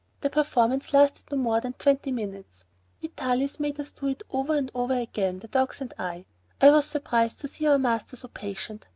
The performance lasted not more than twenty minutes. Vitalis made us do it over and over again, the dogs and I. I was surprised to see our master so patient.